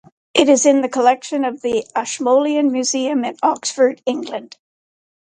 It is in the collection of the Ashmolean Museum in Oxford, England.